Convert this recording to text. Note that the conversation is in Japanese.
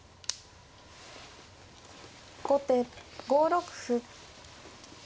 後手５六歩。